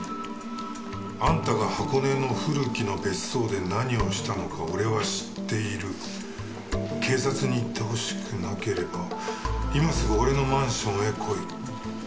「あんたが箱根の古木の別荘で何をしたのか俺は知っている」「警察に行ってほしくなければ今すぐ俺のマンションへ来い」